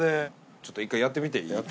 ちょっと一回やってみていい？